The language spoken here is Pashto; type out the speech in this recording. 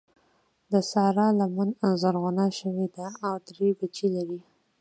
د سارا لمن زرغونه شوې ده او درې بچي لري.